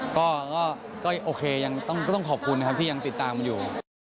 ก็โอเคยังต้องขอบคุณนะครับที่ยังติดตามอยู่